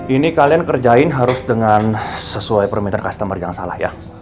ini kalian kerjain harus dengan sesuai permintaan customer yang salah ya